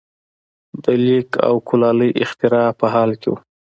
د لیک او کولالۍ اختراع په حال کې وو.